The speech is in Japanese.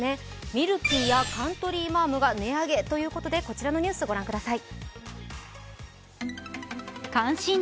ミルキーやカントリーマアムが値上げということで、こちらのニュース御覧ください。